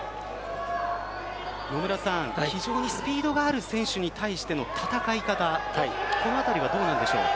野村さん、非常にスピードがある選手に対しての戦い方という辺りはどうなんでしょう？